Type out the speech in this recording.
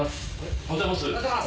おはようございます。